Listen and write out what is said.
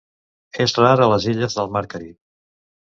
És rar a les illes del Mar Carib.